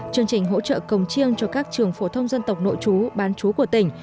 chương trình hỗ trợ cồng chiêng cho các trường phổ thông dân tộc nội chú bán chú của tỉnh